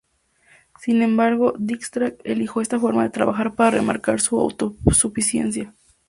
Sin embargo, Dijkstra eligió esta forma de trabajar para remarcar su autosuficiencia.